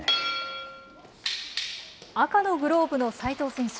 赤のグローブの齋藤選手。